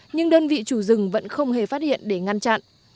nhưng đơn vị chủ rừng vẫn không hề phát hiện để ngăn chặn